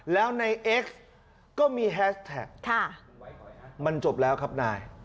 แล้วในเอ็กซ์ก็มีแฮชแท็กมันจบแล้วครับนาย